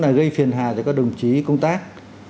là gây phiền hà cho các đồng chí công tác